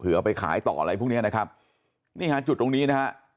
เอาไปขายต่ออะไรพวกเนี้ยนะครับนี่ฮะจุดตรงนี้นะฮะ